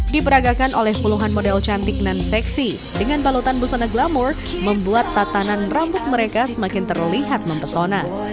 diperagakan oleh puluhan model cantik dan seksi dengan balutan busana glamour membuat tatanan rambut mereka semakin terlihat mempesona